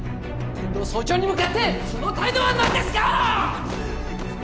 天堂総長に向かってその態度はなんですか！